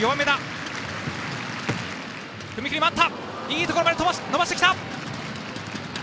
いいところまで伸ばしてきた！